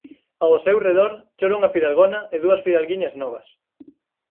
Ao seu redor chora unha fidalgona e dúas fidalguiñas novas.